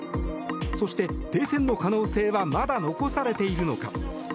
そして、停戦の可能性はまだ残されているのか。